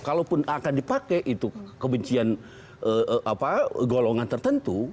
kalaupun akan dipakai itu kebencian golongan tertentu